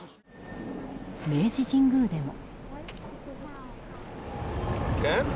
明治神宮でも。